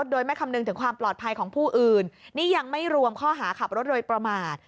โดยไม่คำนึงถึงความปลอดภัยของผู้อื่นนี่ยังไม่รวมข้อหาขับรถโดยประมาท